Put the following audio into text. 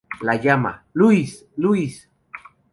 La llama: "¡Louise, Louise!".